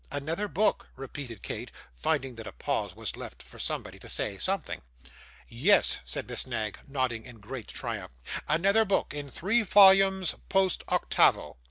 'Another book!' repeated Kate, finding that a pause was left for somebody to say something. 'Yes,' said Miss Knag, nodding in great triumph; 'another book, in three volumes post octavo.